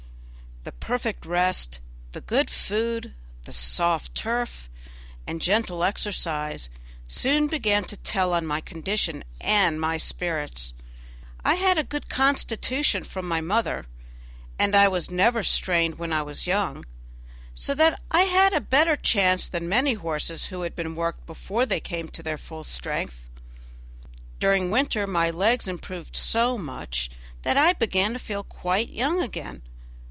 The perfect rest, the good food, the soft turf, and gentle exercise, soon began to tell on my condition and my spirits. I had a good constitution from my mother, and I was never strained when I was young, so that I had a better chance than many horses who have been worked before they came to their full strength. During the winter my legs improved so much that I began to feel quite young again.